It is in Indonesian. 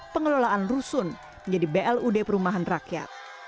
pengelolaan rusun menjadi blud perumahan rakyat